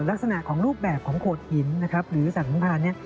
และรักษณะรูปแบบของโผลดหินนะครับหรือจะสัญลักษณ์ทุกษ์พราน